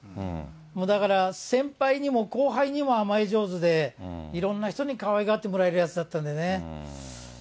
だから、先輩にも後輩にも甘え上手で、いろんな人にかわいがってもらえる奴だったんでね。